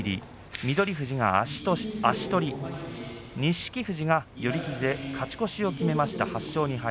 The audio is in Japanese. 錦富士が寄り切りで勝ち越しを決めました。